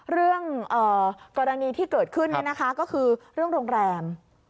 เรื่องกรณีที่เกิดขึ้นก็คือเรื่องโรงแรม